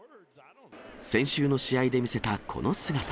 先週の試合で見せたこの姿。